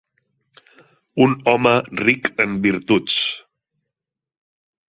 Un home ric en virtuts.